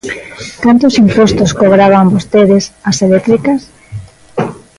¿Cantos impostos cobraban vostedes ás eléctricas?